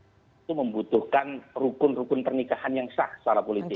itu membutuhkan rukun rukun pernikahan yang sah secara politik